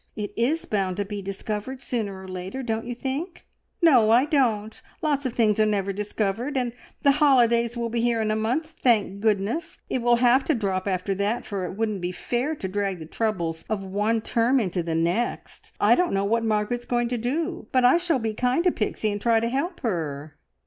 It is bound to be discovered sooner or later, don't you think?" "No, I don't! Lots of things are never discovered, and the holidays will be here in a month, thank goodness! It will have to drop after that, for it wouldn't be fair to drag the troubles of one term into the next. I don't know what Margaret is going to do, but I shall be kind to Pixie and try to help her!"